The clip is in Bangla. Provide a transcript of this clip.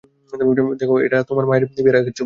দেখ, এটা তোর মায়ের বিয়ের আগের ছবি।